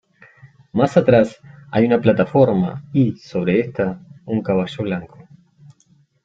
Más atrás hay una plataforma y, sobre esta, un caballo blanco.